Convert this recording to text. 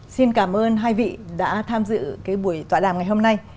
xin cảm ơn hai vị đã tham dự buổi tỏa đàm ngày hôm nay